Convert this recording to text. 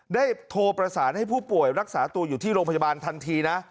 ได้โทรประสานให้ผู้ป่วยรักษาตัวอยู่ที่โรงพยาบาลทันทีนะ